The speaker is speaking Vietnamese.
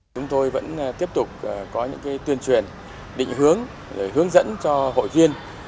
chúng tôi vẫn tiếp tục có những tuyên truyền định hướng dẫn cho hội viên